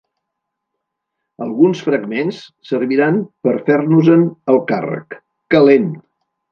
Alguns fragments serviran per fer-nos-en el càrrec: “—Que lent!